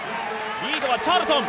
リードはチャールトン。